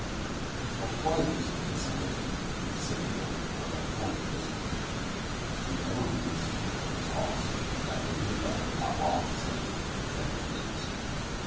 The wife is an insignificant, insipid woman, of about forty years of age. She never reads, never talks, and I believe I am not wrong in saying, never thinks.